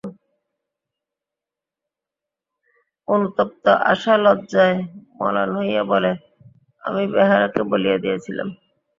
অনুতপ্ত আশা লজ্জায় মলান হইয়া বলে, আমি বেহারাকে বলিয়া দিয়াছিলাম।